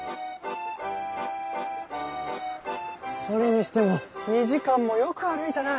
それにしても２時間もよく歩いたな。